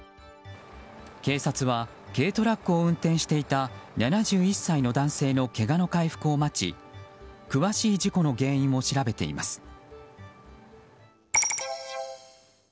警察は軽トラックを運転していた７１歳の男性のけがの回復を待ち詳しい事故の原因を調べています。